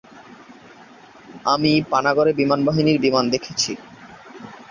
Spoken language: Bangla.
আমি পানাগড়ে বিমানবাহিনীর বিমান দেখেছি।